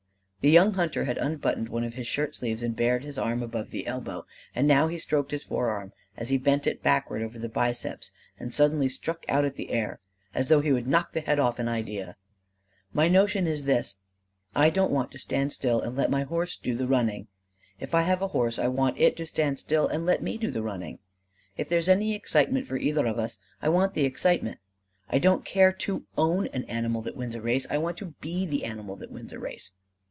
The young hunter had unbuttoned one of his shirt sleeves and bared his arm above the elbow; and he now stroked his forearm as he bent it backward over the biceps and suddenly struck out at the air as though he would knock the head off of an idea. "My notion is this: I don't want to stand still and let my horse do the running. If I have a horse, I want it to stand still and let me do the running. If there is any excitement for either of us, I want the excitement. I don't care to own an animal that wins a race: I want to be the animal that wins a race."